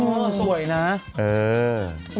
อืมสวยนะเออ